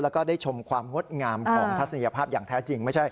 แล้วก็ได้ชมความงดงามของทัศนียภาพอย่างแท้จริง